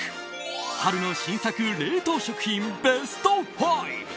春の新作冷凍食品ベスト５。